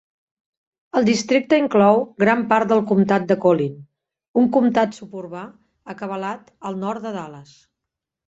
El districte inclou gran part del comtat de Collin, un comtat suburbà acabalat al nord de Dallas.